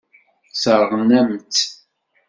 Sseṛɣen-am-tt.